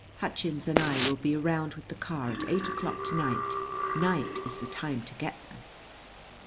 Hutchins and I will be round with the car at eight o'clock to night. Night is the time to get them."